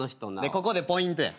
ここでポイントや。